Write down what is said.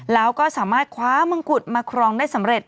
แล้วก็สามารถคว้ามงกุฎมาครองได้สำเร็จ